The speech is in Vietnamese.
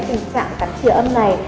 tình trạng cắn chìa âm này